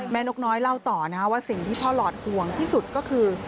นกน้อยเล่าต่อนะว่าสิ่งที่พ่อหลอดห่วงที่สุดก็คือ